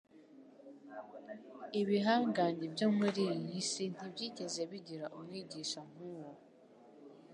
Ibihangange byo muri iyi si ntibyigeze bigira umwigisha nk'uwo.